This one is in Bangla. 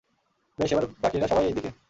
বেশ, এবার বাকিরা সবাই এই দিকে।